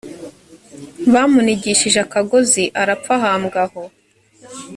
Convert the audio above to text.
bamunigishije akagozi arapfa ahambwa aho